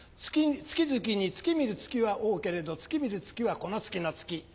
月々に月見る月は多けれど月見る月はこの月の月。